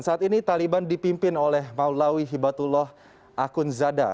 saat ini taliban dipimpin oleh maulawi hibatullah akunzada